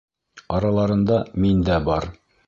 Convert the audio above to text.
Араларында мин дә бар.